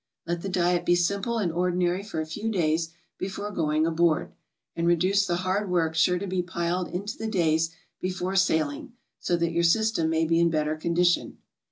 Let the diet be simple and ordinary for a few days before going aboard, and reduce the hard work sure to be piled into the days before sailing, so that your system may be in better condition.